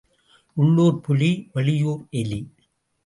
உள்ளூர்ப் புலி, வெளியூர் எலி.